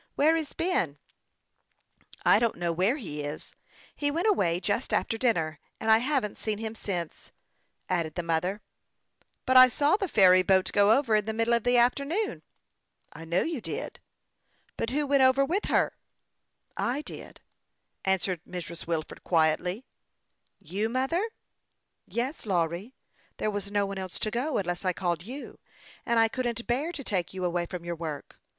" Where is Ben ?"" I don't know where he is. He went away just after dinner, and I haven't seen him since," added the mother, a shade of anxiety passing over her face. 13 146 HASTE AND WASTE, OR " But I saw the ferry boat go over in the middle of the afternoon." " I know you did." " But who went over with her ?"" I did," answered Mrs. Wilford, quietly. "You, mother?" " Yes, Lawry ; there was no one else to go, unless I called you, and I couldn't bear to take you away from your work.